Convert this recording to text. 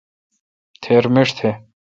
تھیر مݭ تھ۔